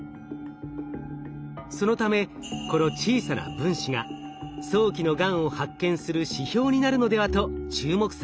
そのためこの小さな分子が早期のがんを発見する指標になるのではと注目されています。